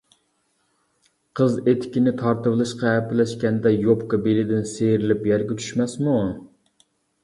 قىز ئېتىكىنى تارتىۋېلىشقا ھەپىلەشكەندە، يوپكا بېلىدىن سىيرىلىپ يەرگە چۈشمەسمۇ!